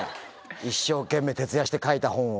一生懸命徹夜して書いた本を。